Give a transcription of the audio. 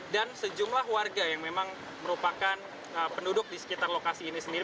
dan sejumlah warga yang memang merupakan penduduk di sekitar lokasi ini sendiri